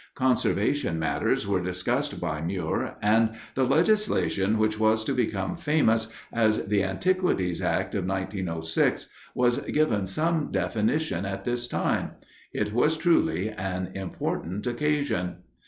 Conservation matters were discussed by Muir and the legislation which was to become famous as the Antiquities Act of 1906 was given some definition at this time. It was truly an important occasion.